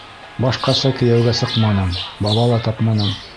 Башҡаса кейәүгә сыҡманым, бала ла тапманым.